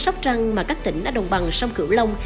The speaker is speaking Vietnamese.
sóc trăng mà các tỉnh ở đồng bằng sông cửu long